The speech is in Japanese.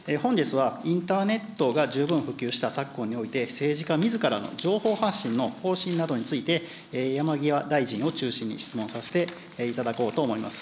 本日はインターネットが十分普及した昨今において、政治家みずからの情報発信の方針などについて、山際大臣を中心に質問させていただこうと思います。